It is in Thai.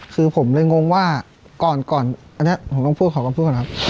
คือผมเลยงงว่าก่อนอันนี้ผมต้องพูดขอคำพูดก่อนครับ